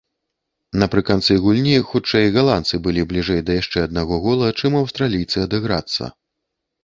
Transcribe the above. Напрыканцы гульні хутчэй галандцы былі бліжэй да яшчэ аднаго гола, чым аўстралійцы адыграцца.